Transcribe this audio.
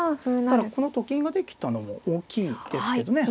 ただこのと金ができたのも大きいですけどね。